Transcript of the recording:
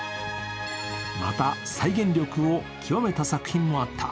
また再現力を極めた作品もあった。